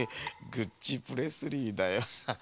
グッチプレスリーだよ。ハハハ。